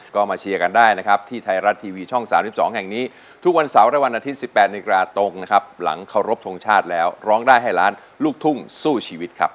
ก็มาเชียร์กันได้นะครับที่ไทยรัฐทีวีช่อง๓๒แห่งนี้ทุกวันเสาร์และวันอาทิตย๑๘นิกาตรงนะครับหลังเคารพทงชาติแล้วร้องได้ให้ล้านลูกทุ่งสู้ชีวิตครับ